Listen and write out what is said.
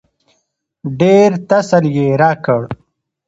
ډېر تسل يې راکړ.